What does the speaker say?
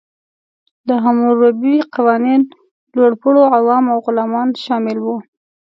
د حموربي قوانین لوړپوړو، عوام او غلامان شامل وو.